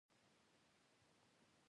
د پوهې راز قلم دی.